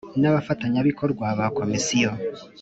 N abafatanyabikorwa ba komisiyo